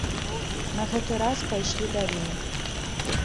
На гэты раз пайшлі далей.